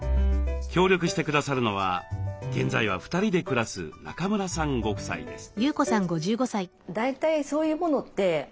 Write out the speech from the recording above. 協力して下さるのは現在は２人で暮らす中村さんご夫妻です。